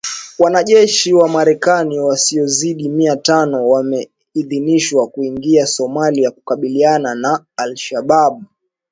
Wanajeshi wa Marekani wasiozidi mia tano wameidhinishwa kuingia Somalia kukabiliana na Al Shabaab